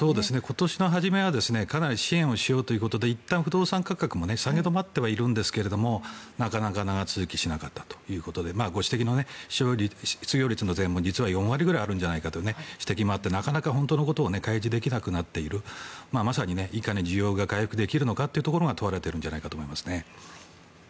今年の初めはかなり支援をしようということでいったん不動産価格も下げ止まってはいるんですがなかなか長続きしなかったということでご指摘の失業率も実は４割ぐらいあるのではという指摘もあってなかなか本当のことを開示できなくなっているまさにいかに需要が回復できるかが続いては。